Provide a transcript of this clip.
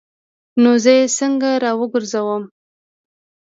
نو زه یې څنګه راوګرځوم؟